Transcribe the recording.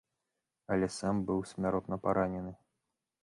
Але сам быў смяротна паранены.